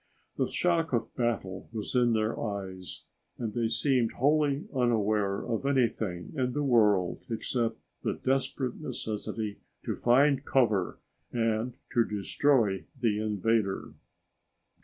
The shock of battle was in their eyes, and they seemed wholly unaware of anything in the world except the desperate necessity to find cover and to destroy the invader.